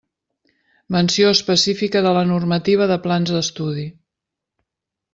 Menció específica de la normativa de plans d'estudi.